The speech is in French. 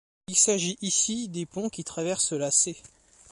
Il s'agit ici des ponts qui traversent la Sée.